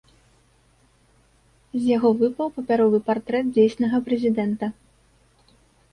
З яго выпаў папяровы партрэт дзейснага прэзідэнта.